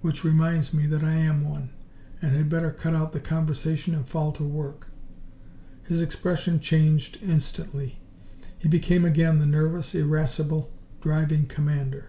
Which reminds me that I am one, and had better cut out conversation and fall to work." His expression changed instantly; he became again the nervous, irascible, driving commander.